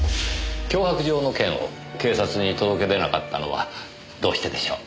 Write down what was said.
脅迫状の件を警察に届け出なかったのはどうしてでしょう？